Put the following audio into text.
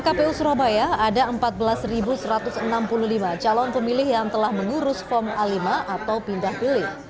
kpu surabaya ada empat belas satu ratus enam puluh lima calon pemilih yang telah mengurus form a lima atau pindah pilih